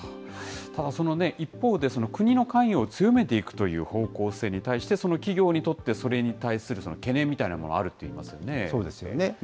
ただ、その一方で、国の関与を強めていくという方向性に対して、その企業にとって、それに対する懸念みたいなのがあるといいそうですよね。